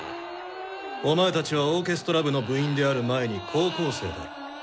お前たちはオーケストラ部の部員である前に高校生だ。